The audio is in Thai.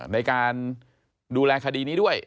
ในการดูแลคดีนี้ด้วย